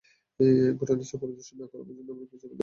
ঘটনাস্থল পরিদর্শন না করা পর্যন্ত আমার পিছনেই থাকবে।